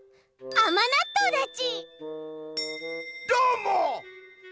「あまなっとう」だち。